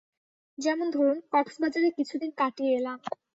যেমন ধরুন, কক্সবাজারে কিছুদিন কাটিয়ে এলাম।